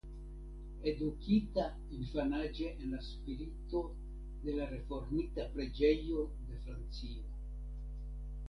Edukita infanaĝe en la spirito de la Reformita Preĝejo de Francio.